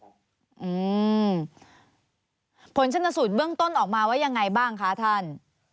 อืมผลชนสูตรเบื้องต้นออกมาว่ายังไงบ้างคะท่าน